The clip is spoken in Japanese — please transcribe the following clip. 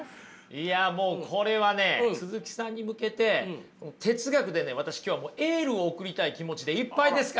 いやもうこれはね鈴木さんに向けて哲学でね私今日はエールを送りたい気持ちでいっぱいですから。